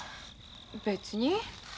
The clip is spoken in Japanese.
別に。